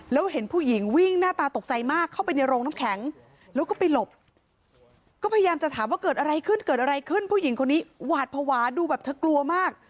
แล้วเห็นผู้หญิงวิ่งหน้าตาตกใจมากเข้าไปในโรงน้ำแข็งแล้วก็ไปหลบก็พยายามจะถามว่าเกิดอะไรขึ้นเกิดอะไรขึ้นผู้หญิงคนนี้หวาดภาวะดูแบบเธอกลัวมาก